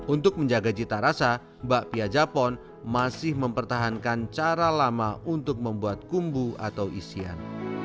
untuk menjaga cita rasa bakpia japon masih mempertahankan cara lama untuk membuat kumbu atau isian